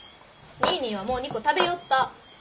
ニーニーはもう２個食べよった。